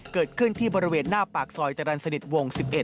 เกิดขึ้นที่บริเวณหน้าปากซอยจรรย์สนิทวง๑๑